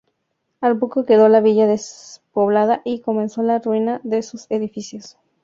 Al poco quedó la villa despoblada y comenzó la ruina de sus edificios.